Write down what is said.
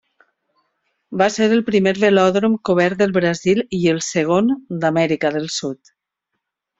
Va ser el primer velòdrom cobert del Brasil i el segon d'Amèrica del Sud.